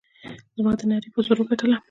زما د نعرې په زور وګټله.